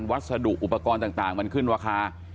วัสดุอุปกรณ์ต่างมันขึ้นราคา